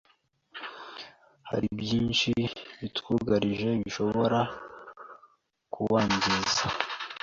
hari byinshi bitwugarije bishobora kuwangiza